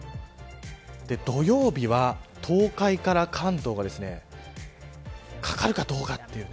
土曜日は、東海から関東が掛かるかどうか、というね。